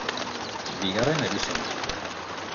Bigarren abizena.